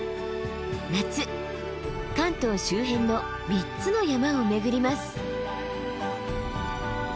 夏関東周辺の３つの山を巡ります。